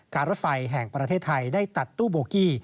รถไฟแห่งประเทศไทยได้ตัดตู้โบกี้